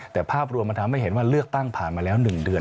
แต่ภาพรวมมันทำให้เห็นว่าเลือกตั้งผ่านมาแล้ว๑เดือน